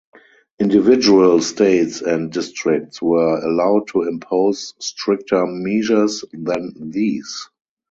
Individual states and districts were allowed to impose stricter measures than these.